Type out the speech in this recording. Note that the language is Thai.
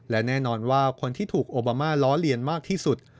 และแน่นอนว่าคนที่ถูกโอบามาล้อเลียนมากที่สุด